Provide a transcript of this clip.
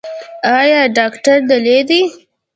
ایا ډاکټر دلې دی؟